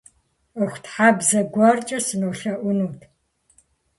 Ӏуэхутхьэбзэ гуэркӏэ сынолъэӏунут.